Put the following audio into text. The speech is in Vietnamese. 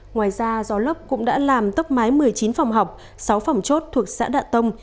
ngoài ra gió lốc cũng đã làm tốc mái một mươi chín phòng học sáu phòng chốt thuộc xã đạ tông